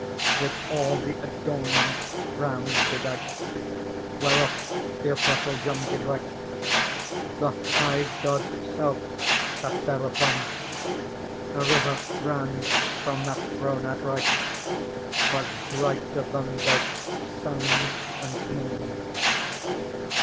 With all the adornments round bedight Whereof the Apostle John did write ; The High God*s self sat thereupon, A river rain from that throne'outright, WasTbriglrter ihan both BUli and luoon.